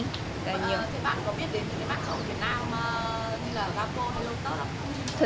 thật sự không biết đến những mạng xã hội việt nam